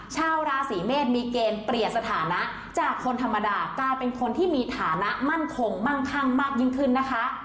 ชาวราศีเมษมีเกณฑ์เปลี่ยนสถานะจากคนธรรมดากลายเป็นคนที่มีฐานะมั่นคงมั่งคั่งมากยิ่งขึ้นนะคะ